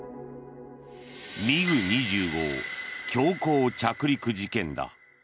ミグ２５強行着陸事件だ。